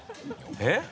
えっ？